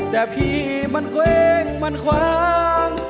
แต่พี่มันเกว้งมันคว้าง